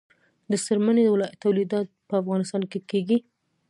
د څرمنې تولیدات په افغانستان کې کیږي